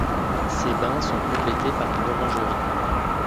Ces bains sont complétés par une orangerie.